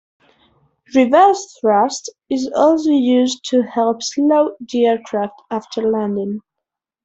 Reverse thrust is also used to help slow the aircraft after landing.